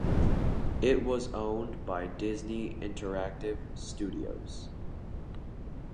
It was owned by Disney Interactive Studios.